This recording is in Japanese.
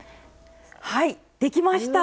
はいできました。